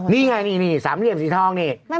นี่ไงนี่สามเหลี่ยมสีทองนี่